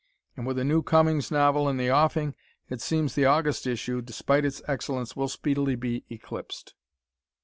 And with a new Cummings novel in the offing, it seems the August issue, despite its excellence, will speedily be eclipsed.